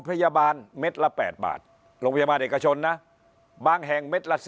พยาบาลเม็ดละ๘บาทโรงพยาบาลเอกชนนะบางแห่งเม็ดละ๑๐